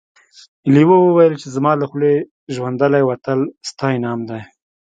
لیوه وویل چې زما له خولې ژوندی وتل ستا انعام دی.